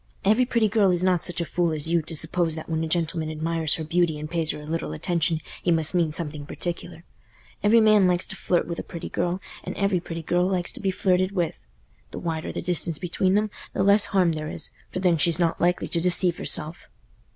Every pretty girl is not such a fool as you, to suppose that when a gentleman admires her beauty and pays her a little attention, he must mean something particular. Every man likes to flirt with a pretty girl, and every pretty girl likes to be flirted with. The wider the distance between them, the less harm there is, for then she's not likely to deceive herself."